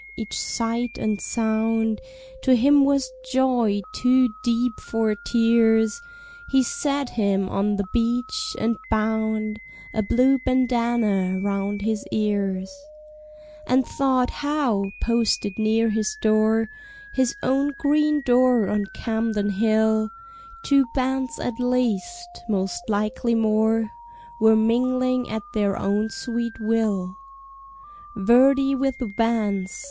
Each sight and sound To him was joy too deep for tears; He sat him on the beach, and bound A blue bandana round his ears: And thought how, posted near his door, His own green door on Camden Hill, Two bands at least, most likely more, Were mingling at their own sweet will Verdi with Vance.